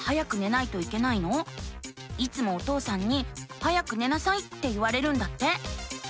いつもお父さんに「早く寝なさい」って言われるんだって。